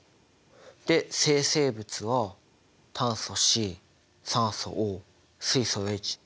で生成物は炭素Ｃ酸素Ｏ水素Ｈ。